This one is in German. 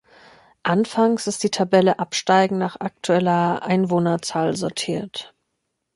Anfangs ist die Tabelle absteigend nach aktueller Einwohnerzahl sortiert.